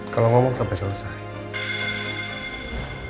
kalau ngomong sampai selesai